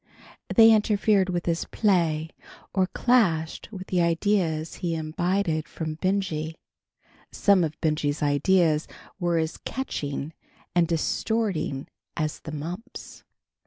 They interfered with his play or clashed with the ideas he imbibed from Benjy. Some of Benjy's ideas were as "catching" and distorting as the mumps.